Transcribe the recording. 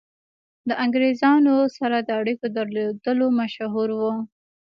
له انګرېزانو سره د اړېکو درلودلو مشهور وو.